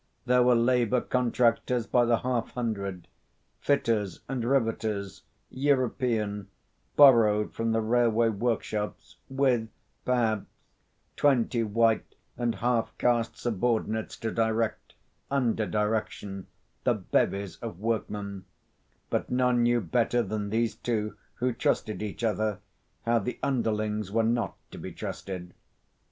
There were labour contractors by the half hundred fitters and riveters, European, borrowed from the railway workshops, with, perhaps, twenty white and half caste subordinates to direct, under direction, the bevies of workmen but none knew better than these two, who trusted each other, how the underlings were not to be trusted.